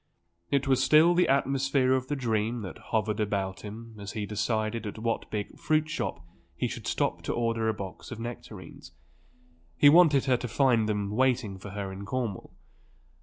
It was still the atmosphere of the dream that hovered about him as he decided at what big fruit shop he should stop to order a box of nectarines. He wanted her to find them waiting for her in Cornwall.